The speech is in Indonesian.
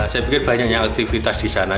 saya pikir banyaknya aktivitas di sana